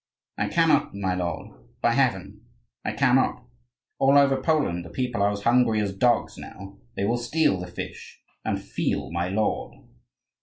"I cannot, my lord, by heaven, I cannot: all over Poland the people are as hungry as dogs now. They will steal the fish, and feel my lord."